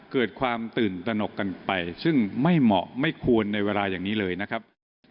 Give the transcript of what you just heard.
เกิดความตื่นตนกกันไปซึ่งไม่เหมาะไม่ควรในเวลาอย่างนี้เลยนะครับ